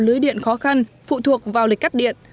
lưới điện khó khăn phụ thuộc vào lịch cắt điện